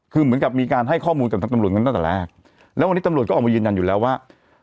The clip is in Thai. คือเหมือนกับมีการให้ข้อมูลกับทางตำรวจกันตั้งแต่แรกแล้ววันนี้ตำรวจก็ออกมายืนยันอยู่แล้วว่า